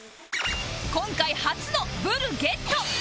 今回初のブルゲット！